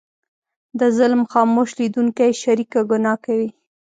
د ظلم خاموش لیدونکی شریکه ګناه کوي.